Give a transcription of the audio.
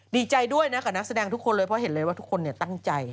ดีใจด้วยนะกับนักแสดงทุกคนเลยเพราะเห็นเลยว่าทุกคนตั้งใจ